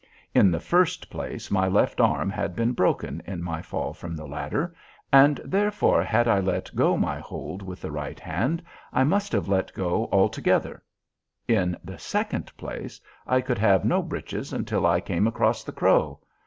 In the first place, my left arm had been broken in my fall from the ladder, and therefore, had I let go my hold with the right hand I must have let go altogether. In the second place, I could have no breeches until I came across the crow.